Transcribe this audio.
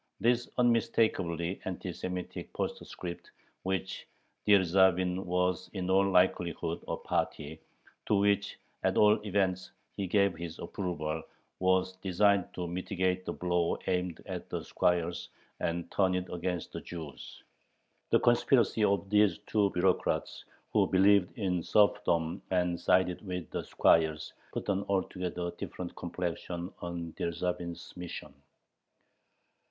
This unmistakably anti Semitic postscript, to which Dyerzhavin was in all likelihood a party, to which at all events he gave his approval, was designed to mitigate the blow aimed at the squires and turn it against the Jews. The conspiracy of these two bureaucrats, who believed in serfdom and sided with the squires, put an altogether different complexion on Dyerzhavin's mission.